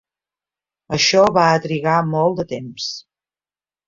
Això va a trigar molt de temps.